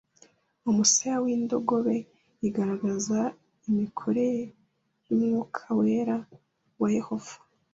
umusaya w indogobe igaragaza imikorere y umwuka wera wa Yehova